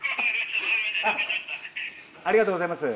ありがとうございます。